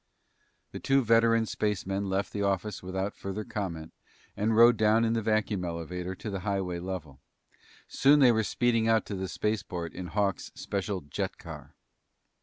The two veteran spacemen left the office without further comment and rode down in the vacuum elevator to the highway level. Soon they were speeding out to the spaceport in Hawks' special jet car.